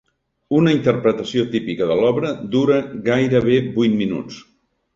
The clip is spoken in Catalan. Una interpretació típica de l'obra dura gairebé vuit minuts.